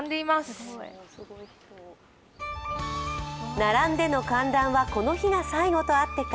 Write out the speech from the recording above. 並んでの観覧はこの日が最後とあってか